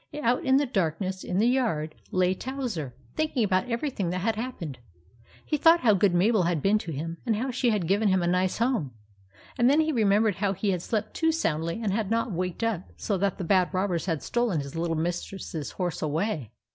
Out in the darkness in the yard lay Tow ser thinking about everything that had hap pened. He thought how good Mabel had been to him, and how she had given him a nice home; and then he remembered how he had slept too soundly and had not waked up, so that the bad robbers had stolen his little mistress's horse away.